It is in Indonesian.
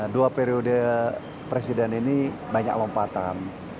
dua periode presiden ini banyak lompatan